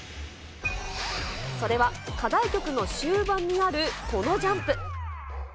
それは課題曲の終盤にあるこのジャンプ。